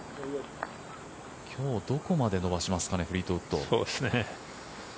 今日、どこまで伸ばしますかねフリートウッド。